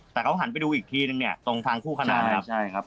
แต่เขาหันไปดูอีกที่หนึ่งตรงทางคู่ขนาด